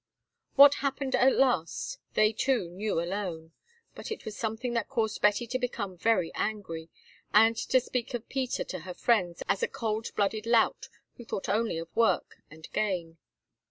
What happened at last they two knew alone, but it was something that caused Betty to become very angry, and to speak of Peter to her friends as a cold blooded lout who thought only of work and gain.